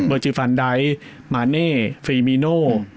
เบอร์จีฟานดายมาเน่เฟรมีโน